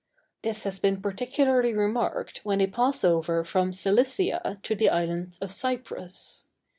This has been particularly remarked when they pass over from Cilicia to the island of Cyprus.